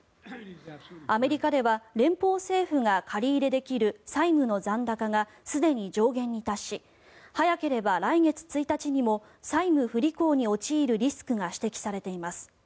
アメリカでは連邦政府が借り入れできる債務の残高がすでに上限に達し早ければ来月１日にも債務不履行に陥るリスクが指摘されています。